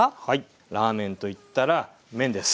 ラーメンといったら麺です。